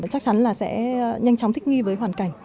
chắc chắn là sẽ nhanh chóng thích nghi với hoàn cảnh